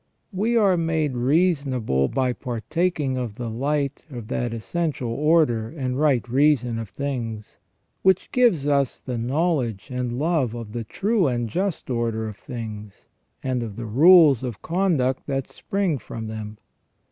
We are made reasonable by partaking of the light of that essen tial order and right reason of things, which gives us the knowledge and love of the true and just order of things, and of the rules of conduct that spring from them.